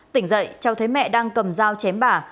tỉnh dậy cháu thấy mẹ đang cầm dao chém bà